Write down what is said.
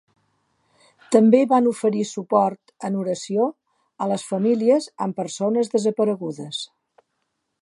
També van oferir suport en oració a les famílies amb persones desaparegudes.